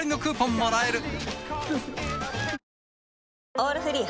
「オールフリー」